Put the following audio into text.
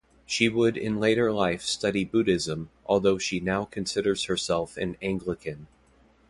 She would in later life study Buddhism although she now considers herself an Anglican.